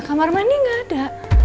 kamar mandi nggak ada